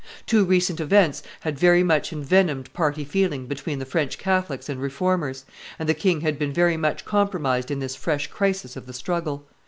Two recent events had very much envenomed party feeling between the French Catholics and Reformers, and the king had been very much compromised in this fresh crisis of the struggle.